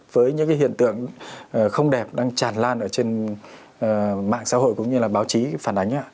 với những cái hiện tượng không đẹp đang tràn lan ở trên mạng xã hội cũng như là báo chí phản ánh